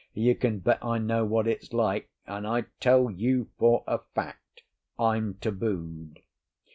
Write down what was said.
You can bet I know what it's like; and I tell it you for a fact, I'm tabooed."